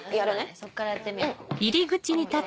そっからやってみよう。